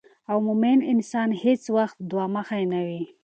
او مومن انسان هیڅ وخت دوه مخې نه وي